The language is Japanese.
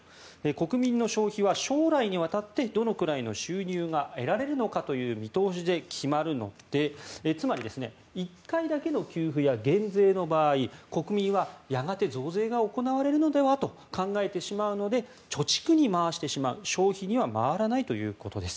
国民の消費は将来にわたってどのくらいの収入が得られるのかという見通しで決まるのでつまり１回だけの給付や減税の場合国民はやがて増税が行われるのではと考えてしまうので貯蓄に回してしまう消費には回らないということです。